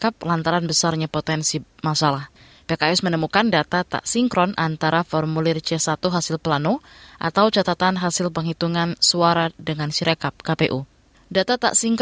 pertama kali kita berkahwin